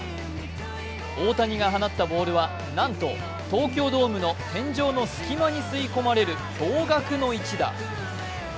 大谷が放ったボールはなんと東京ドームの天井の隙間に吸い込まれる驚がくの一打。